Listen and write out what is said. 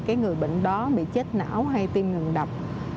cái người bệnh đó bị chết não hay tim ngừng đập